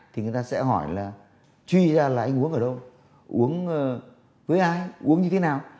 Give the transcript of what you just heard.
thì người ta sẽ hỏi là truy ra là anh uống ở đâu uống với ai uống như thế nào